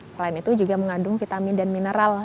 selain itu juga mengandung vitamin dan mineral